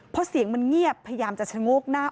พอเสียงมันเงียบพยายามจะชะโงกหน้า